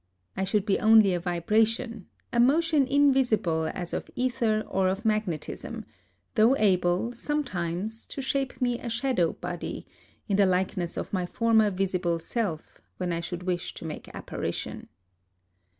I should be only a vibration, — a motion invisible as of ether or of mag netism ; though able sometimes to shape me a shadow body, in the likeness of my former visible self, when I should wish to make ap parition.